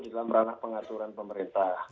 dalam ranah pengaturan pemerintah